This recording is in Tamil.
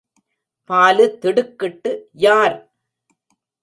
பாலு திடுக்கிட்டு யார்?